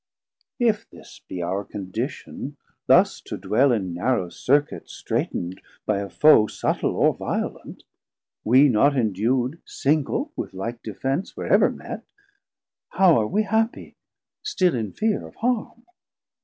If this be our condition, thus to dwell In narrow circuit strait'nd by a Foe, Suttle or violent, we not endu'd Single with like defence, wherever met, How are we happie, still in fear of harm?